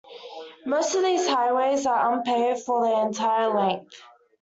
Most of these highways are unpaved for their entire length.